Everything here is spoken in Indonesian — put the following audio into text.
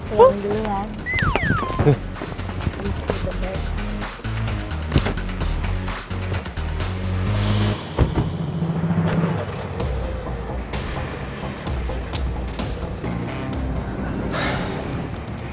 aku pulang dulu lan